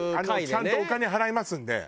ちゃんとお金払いますんで。